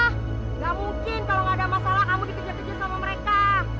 ah nggak mungkin kalau nggak ada masalah kamu dikejar kejar sama mereka